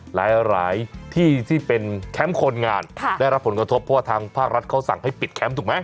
หลายที่ที่เป็นแคมป์คนงานได้รับผลกระทบเพราะว่าทางภาครัฐเขาสั่งให้ปิดแคมป์ถูกไหม